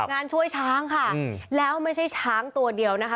งานช่วยช้างค่ะแล้วไม่ใช่ช้างตัวเดียวนะคะ